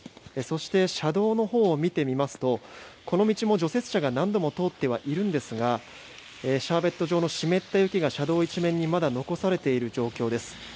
そして車道のほうを見てみますとこの道も除雪車が何度も通ってはいるんですがシャーベット状の湿った雪が車道一面にまだ残されている状況です。